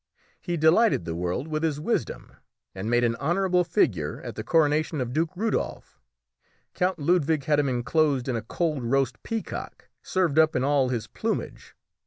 He delighted the world with his wisdom, and made an honourable figure at the coronation of Duke Rudolphe. Count Ludwig had him inclosed in a cold roast peacock, served up in all his plumage.